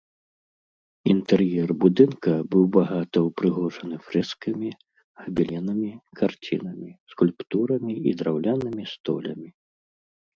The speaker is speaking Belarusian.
Інтэр'ер будынка быў багата ўпрыгожаны фрэскамі, габеленамі, карцінамі, скульптурамі і драўлянымі столямі.